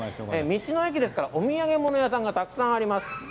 道の駅ですからお土産物屋さんがたくさんあります。